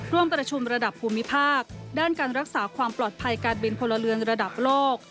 ร่วมประชุมระดับภูมิภาคด้านการรักษาความปลอดภัยการบินพลเรือนระดับโลก